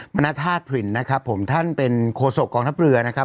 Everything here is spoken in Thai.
ณธาตุผลินนะครับผมท่านเป็นโคศกองทัพเรือนะครับ